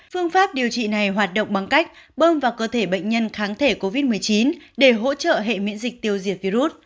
phương pháp điều trị này hoạt động bằng cách bơm vào cơ thể bệnh nhân kháng thể covid một mươi chín để hỗ trợ hệ miễn dịch tiêu diệt virus